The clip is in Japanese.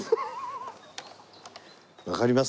わかります？